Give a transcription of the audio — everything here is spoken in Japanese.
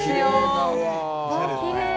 わきれい。